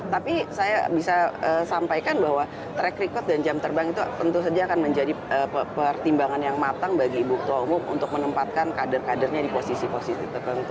tapi saya bisa sampaikan bahwa track record dan jam terbang itu tentu saja akan menjadi pertimbangan yang matang bagi ibu ketua umum untuk menempatkan kader kadernya di posisi posisi tertentu